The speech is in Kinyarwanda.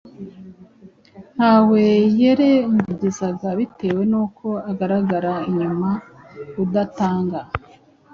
Ntawe yirengagizaga bitewe n’uko agaragara inyuma kudatanga